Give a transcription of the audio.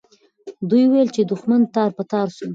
دوی وویل چې دښمن تار په تار سو.